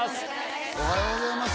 おはようございます。